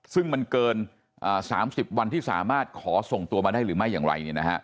ซึ่งมันเกิน๓๐วันที่สามารถขอส่งตัวมาได้หรือไม่อย่างไร